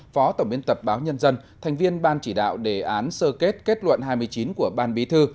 phó tổng biên tập báo nhân dân thành viên ban chỉ đạo đề án sơ kết kết luận hai mươi chín của ban bí thư